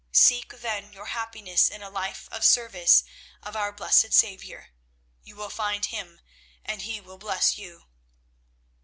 Seek then your happiness in a life of service of our blessed Saviour. You will find Him and He will bless you.